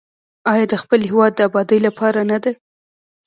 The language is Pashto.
آیا د خپل هیواد د ابادۍ لپاره نه ده؟